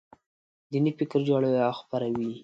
دیني فکر جوړوي او خپروي یې.